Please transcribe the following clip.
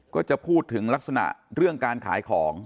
ก็จะพูดถึงลักษณะเรื่องการขายของ